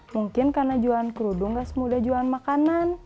mungkin karena jualan kerudung gak semudah jualan makanan